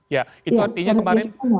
ya itu artinya kemarin